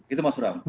itu mas bram